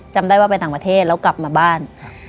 จำได้ว่าไปต่างประเทศแล้วกลับมาบ้าน